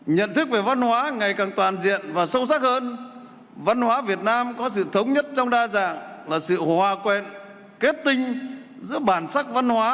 nhận thức về văn hóa ngày càng toàn diện và sâu sắc hơn văn hóa việt nam có sự thống nhất trong đa dạng là sự hòa quen kết tinh giữa bản sắc văn hóa